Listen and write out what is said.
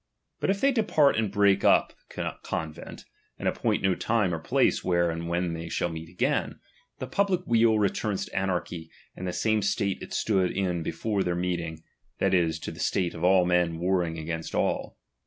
But if they depart and break up the con vent, and appoint no time or place where and when they shall meet again, the public wesil re turns to anarchy and the same state it stood in before their meeting, that is, to the state of all lueu warring against all.